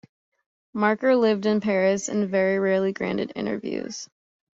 Marker lived in Paris, and very rarely granted interviews.